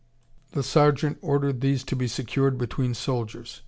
The sergeant ordered these to be secured between soldiers.